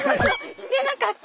してなかった！